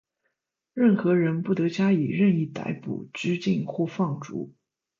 任何人不得加以任意逮捕、拘禁或放逐。